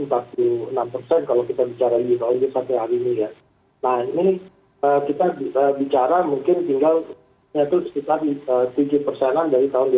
jadi kita bisa bicara mungkin tinggal sekitar tujuh persenan dari tahun dua ribu sembilan belas